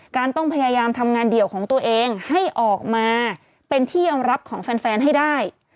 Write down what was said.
การต้องพยายามทำงานเดี่ยวของตัวเองให้ออกมาเป็นที่ยอมรับของแฟนให้ได้